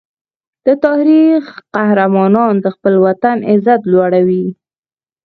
د تاریخ قهرمانان د خپل وطن عزت لوړوي.